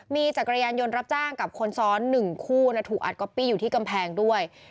มีจักรยานยนต์รับจ้างกับคนซ้อน๑คู่ถูกอัดก๊อปปี้อยู่ที่กำแพงด้วย